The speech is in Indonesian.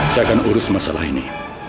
saya akan urus masalah ini